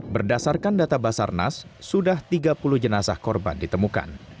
berdasarkan data basarnas sudah tiga puluh jenazah korban ditemukan